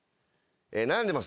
悩んでます